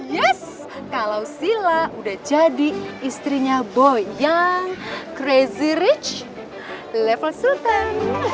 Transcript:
yes kalau sila udah jadi istrinya boy yang crazy rich level sultan